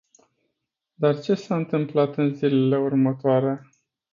Dar ce s-a întâmplat în zilele următoare?